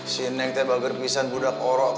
si neng tuh bager pisang budak orang